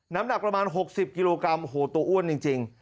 น้ำหนักประมาณ๖๐กิโลกรัมโอ้โหตัวอ้วนจริง